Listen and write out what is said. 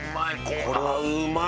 これはうまい！